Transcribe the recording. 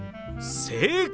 正解！